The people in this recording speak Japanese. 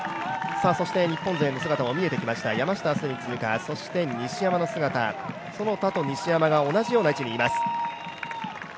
そして、日本勢の姿も見えてきました、其田、そして西山の姿、其田と西山が同じような位置にいます。